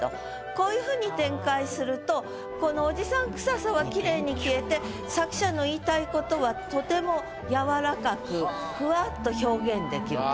こういうふうに展開するとこのおじさん臭さはきれいに消えて作者の言いたい事はとても柔らかくふわっと表現できると。